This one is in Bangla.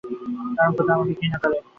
কারণ খোদা আমাকে ঘৃণা করে।